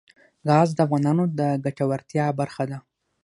ګاز د افغانانو د ګټورتیا برخه ده.